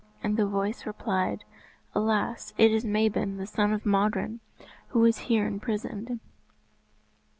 And the voice replied, "Alas, it is Mabon, the son of Modron, who is here imprisoned!"